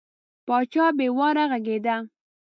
پاچا بې واره غږېده.